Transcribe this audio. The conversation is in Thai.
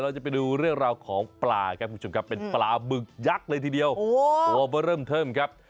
โอ้โหโอ้โหเบอร์เริ่มเทิมครับ